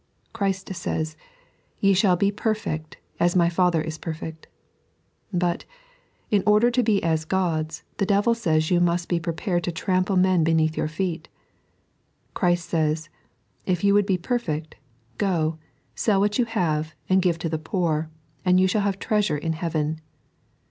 Christ says :" Ye shall be perfect, as My Father is perfect." But, in order to be as gods, the devil says you must be prepared to trample men beneath your feet. Christ says :" If you would be perfect, go, sell what you have, and give to the poor, and you shall have treasure in heaven."